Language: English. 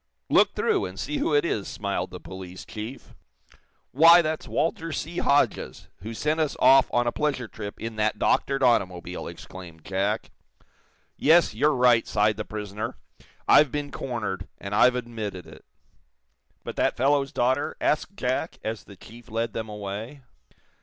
"Look through, and see who it is," smiled the police chief. "Why, that's Walter C. Hodges, who sent us off on a pleasure trip in that doctored automobile!" exclaimed Jack. "Yes; you're right," sighed the prisoner. "I've been cornered, and I've admitted it." "But that fellow's daughter?" asked Jack, as the chief led them away.